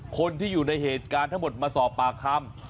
คนที่อยู่ในเหตุการณ์ทั้งหมดมาสอบปากคำ